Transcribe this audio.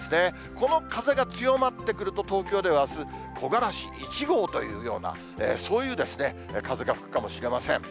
この風が強まってくると、東京ではあす、木枯らし１号というような、そういう風が吹くかもしれません。